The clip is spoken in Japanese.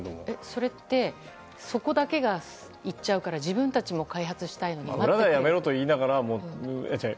それってそこだけがいっちゃうから自分たちも開発したいから待ってくれという？